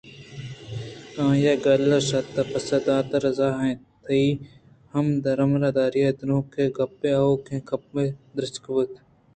آئی (گُگُّو)ءَ گلءُ شات پسّہ داتآرضا اِنتءُ تئی ہمراہداری ءَ کنتگومے گپّءَآکوٛاپگیں درٛچکءَپُترت